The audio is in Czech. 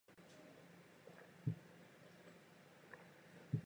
Za druhé světové války byly některé tramvaje i trolejbusy odvezeny z vozovny pryč.